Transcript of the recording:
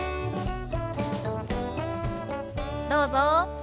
どうぞ。